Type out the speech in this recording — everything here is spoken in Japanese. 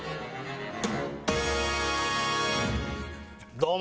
どうも。